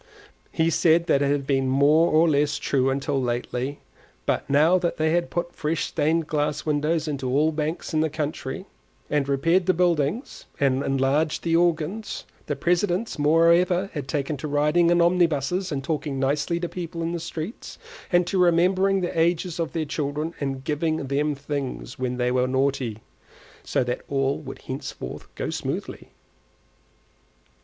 He said that it had been more or less true till lately; but that now they had put fresh stained glass windows into all the banks in the country, and repaired the buildings, and enlarged the organs; the presidents, moreover, had taken to riding in omnibuses and talking nicely to people in the streets, and to remembering the ages of their children, and giving them things when they were naughty, so that all would henceforth go smoothly.